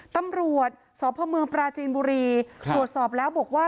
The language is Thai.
ตำรวจสพเมืองปราจีนบุรีตรวจสอบแล้วบอกว่า